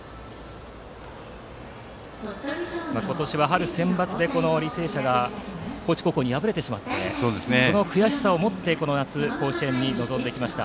今年は春センバツで履正社が高知高校に敗れてしまってその悔しさを持ってこの夏、甲子園に臨んできました。